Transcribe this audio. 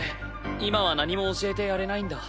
今は何も教えてやれないんだ。